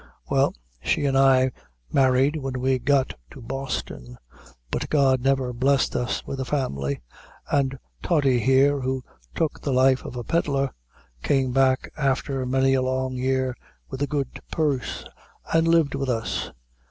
Well, she an' I married when we got to Boston; but God never blessed us wid a family; and Toddy here, who tuk the life of a pedlar, came back afther many a long year, with a good purse, and lived with us.